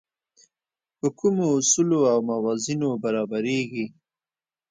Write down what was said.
په کومو اصولو او موازینو برابرېږي.